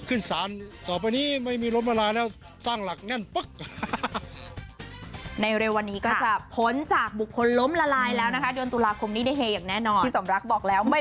ต้องขึ้นสารต่อไปนี้ไม่มีล้มละลายแล้วสร้างหลักแน่นปุ๊บ